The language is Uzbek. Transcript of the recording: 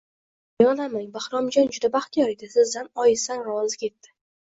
Opajon, yig`lamang, Bahromjon juda baxtiyor edi, sizdan oyisidan rozi ketdi